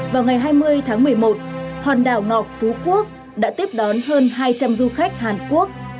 vào ngày hai mươi tháng một mươi một hòn đảo ngọc phú quốc đã tiếp đón hơn hai trăm linh du khách hàn quốc